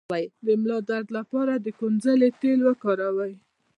د ملا درد لپاره د کونځلې تېل وکاروئ